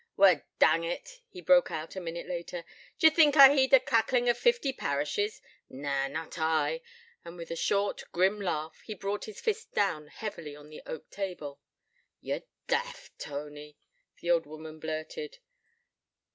'Wa dang it,' he broke out a minute later, 'd'ye think I heed the cacklin' o' fifty parishes? Na, not I,' and, with a short, grim laugh, he brought his fist down heavily on the oak table. 'Ye're daft, Tony,' the old woman blurted.